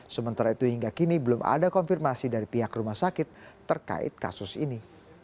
sementara itu hingga kini belum ada konfirmasi dari pihak rumah sakit terkait kasus ini